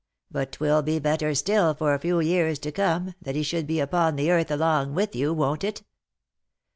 But 'twill be better still, for a few years to come, that he should be upon the earth along with you, won't it